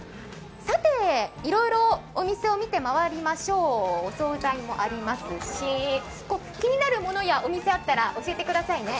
いろいろお店を見て回りましょうお総菜もありますし、気になるものやお店があったら教えてくださいね。